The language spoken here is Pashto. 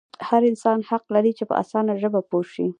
هر انسان حق لري چې په اسانه ژبه پوه شي.